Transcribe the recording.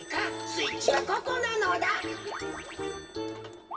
スイッチはここなのだ。